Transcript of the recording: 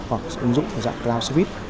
hoặc ứng dụng dạng cloudsuite